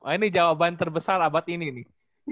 ini jawaban terbesar abad ini nih